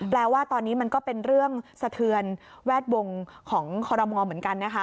แปลว่าตอนนี้มันก็เป็นเรื่องสะเทือนแวดวงของคอรมอลเหมือนกันนะคะ